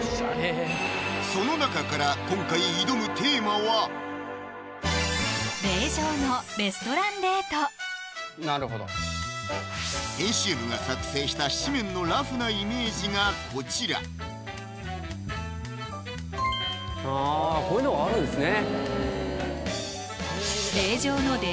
その中からなるほど編集部が作成した誌面のラフなイメージがこちらあこういうのがあるんですね